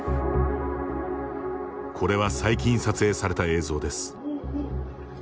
これは最近撮影された映像です。